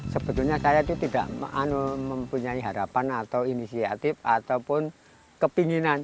sebenarnya saya tidak mempunyai harapan atau inisiatif ataupun kepinginan